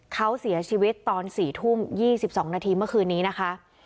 เขาเสียชีวิตตอน๔ทุ่ม๒๒นาทีเมื่อคืนนี้นะคะ